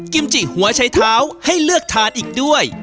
จิหัวใช้เท้าให้เลือกทานอีกด้วย